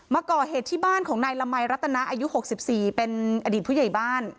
มาก่อเหตุที่บ้านของนายละมัยรัตนาอายุ๖๔เป็นอดีตผู้ใหญ่บ้าน